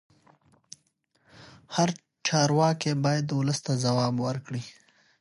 هر چارواکی باید ولس ته ځواب ورکړي